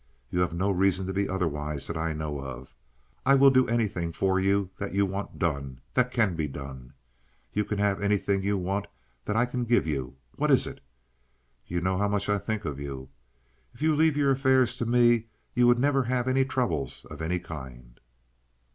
You have no reason to be otherwise that I know of. I will do anything for you that you want done—that can be done. You can have anything you want that I can give you. What is it? You know how much I think of you. If you leave your affairs to me you would never have any troubles of any kind."